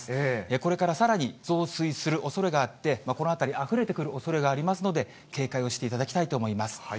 これからさらに増水するおそれがあって、この辺り、あふれてくるおそれがありますので、警戒をしていただきたいと思います。